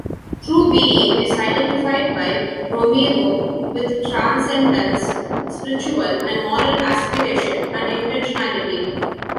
True being is identified by Romero with transcendence, spiritual and moral aspiration, and intentionality.